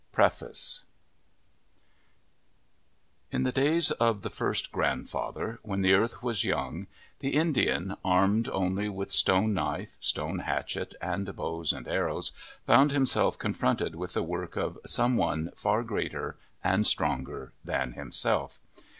C PREFACE IN the days of the first grandfather, when the earth was young, the Indian, armed only with stone knife, stone hatchet, and bows and arrows, found himself confronted with the work of Some One far greater and stronger than himself.